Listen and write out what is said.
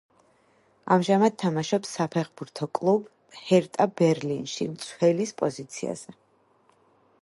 ამჟამად თამაშობს საფეხბურთო კლუბ „ჰერტა ბერლინში“, მცველის პოზიციაზე.